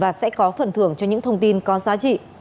các đối tượng sẽ được phần thưởng cho những thông tin có giá trị